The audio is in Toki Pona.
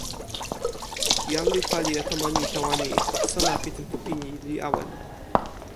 jan li pali e tomo ni tawa ni: sona pi tenpo pini li awen.